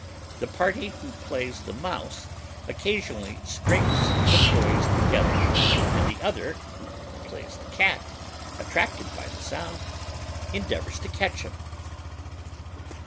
The party who plays the mouse occasionally scrapes the toys together, and the other, who plays the cat, attracted by the sound, endeavours to catch him.